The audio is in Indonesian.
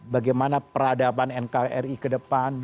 bagaimana peradaban nkri ke depan